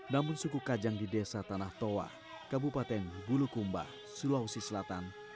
namun suku kajang di desa tanah toa kabupaten bulukumba sulawesi selatan